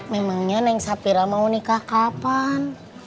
memangnya neng sapira mau nikah kapan